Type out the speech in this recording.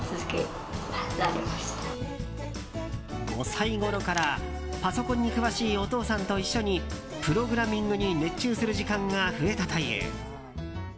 ５歳ごろからパソコンに詳しいお父さんと一緒にプログラミングに熱中する時間が増えたという。